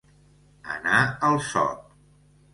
Anar al sot.